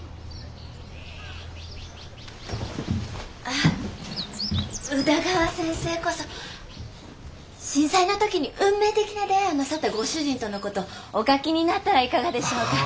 あ宇田川先生こそ震災の時に運命的な出会いをなさったご主人との事をお書きになったらいかがでしょうか？